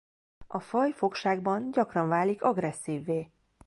A faj fogságban gyakran válik agresszívvé.